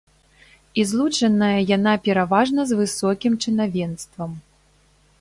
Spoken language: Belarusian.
І злучаная яна пераважна з высокім чынавенствам.